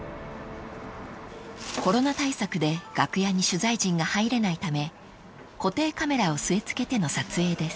［コロナ対策で楽屋に取材陣が入れないため固定カメラを据え付けての撮影です］